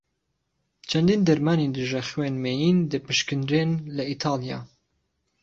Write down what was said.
چەندین دەرمانی دژە خوێن مەین دەپشکنرێن لە ئیتاڵیا.